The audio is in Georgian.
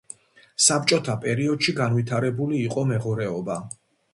საბჭოთა პერიოდში განვითარებული იყო მეღორეობა.